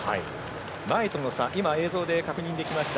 前との差、映像で確認できました。